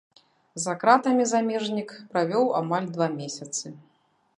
За кратамі замежнік правёў амаль два месяцы.